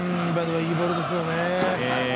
いいボールですよね。